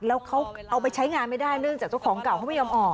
แล้วเขาเอาไปใช้งานไม่ได้เนื่องจากเจ้าของเก่าเขาไม่ยอมออก